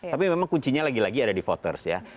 tapi memang kuncinya lagi lagi ada di voters ya